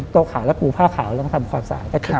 ตัวขาดแล้วกูผ้าขาวแล้วทำความสาย